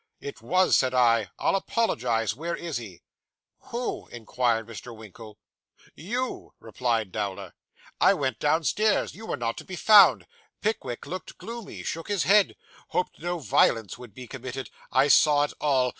"It was," said I. "I'll apologise. Where is he?"' 'Who?' inquired Mr. Winkle. 'You,' replied Dowler. 'I went downstairs. You were not to be found. Pickwick looked gloomy. Shook his head. Hoped no violence would be committed. I saw it all.